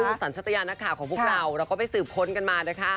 ซึ่งสรรชัตยานของพวกเราเราก็ไปสืบค้นกันมานะคะ